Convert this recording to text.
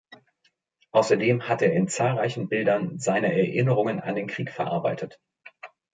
Außerdem hat er in zahlreichen Bildern seine Erinnerungen an den Krieg verarbeitet.